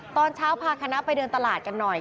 ตอนเช้าพาคณะไปเดินตลาดกันหน่อย